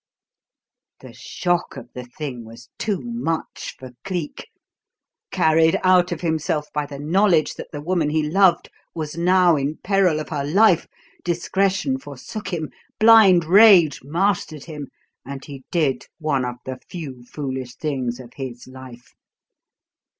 The shock of the thing was too much for Cleek. Carried out of himself by the knowledge that the woman he loved was now in peril of her life, discretion forsook him, blind rage mastered him, and he did one of the few foolish things of his life.